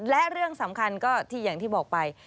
และเรื่องสำคัญก็ที่อย่างที่บอกไป